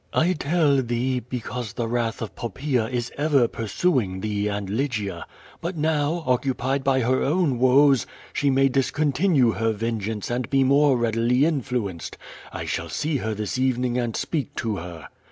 '*I tell thee, because the wrath of Poppaea is ever pursuin::^ thee and Lygia. But now, occupied by her own woes, she may discontinue her vengeance and be more readily intlu enced. I shall see her this evening and speak to her."